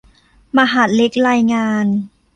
มหาดเล็กรายงาน